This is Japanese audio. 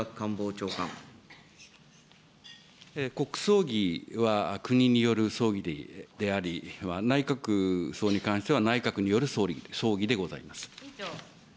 国葬儀は国による葬儀であり、内閣葬に関しては、内閣による葬儀でございます。